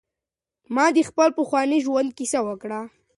ما ته د خپل پخواني ژوند کیسه وکړه.